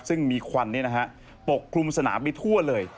ซึ่งมีควันปกคลุมสนามไปทั่วเลย